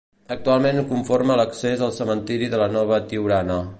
Actualment conforma l'accés al cementiri de la nova Tiurana.